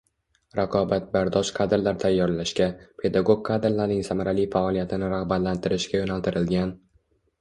raqobatbardosh kadrlar tayyorlashga, pedagog kadrlarning samarali faoliyatini rag`batlantirishga yo`naltirilgan